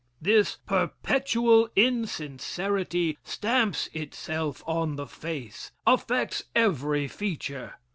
This perpetual insincerity stamps itself on the face affects every feature.